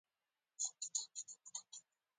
په همدې کار یې پر سر پنځه ویشت ډالره واخیستل.